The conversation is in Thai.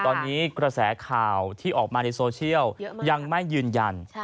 ตอนนี้กระแสข่าวที่ออกมาในโซเชียลยังไม่ยืนยัน